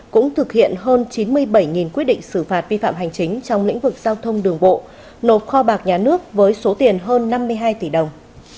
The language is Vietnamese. cũng thực hiện hơn chín mươi bảy quyết định xử phạt vi phạm hành chính trong lĩnh vực giao thông đường bộ nộp kho bạc nhà nước với số tiền hơn năm mươi hai tỷ đồng